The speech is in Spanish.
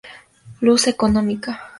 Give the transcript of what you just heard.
Luz económica.